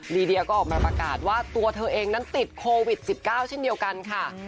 ลีเดียก็ออกมาประกาศว่าตัวเธอเองนั้นติดโควิด๑๙เช่นเดียวกันค่ะ